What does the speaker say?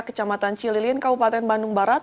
kecamatan cililin kabupaten bandung barat